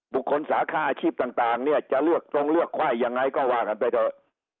บุคคลสาขาอาชีพต่างเนี่ยจะต้องเลือกไข้ยังไงก็ว่ากันไปเถอะ